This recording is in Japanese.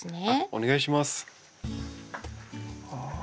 お願いします。